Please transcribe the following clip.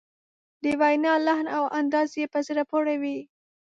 د وینا لحن او انداز یې په زړه پورې وي.